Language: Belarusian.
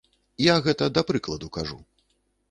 Я гэта да прыкладу кажу.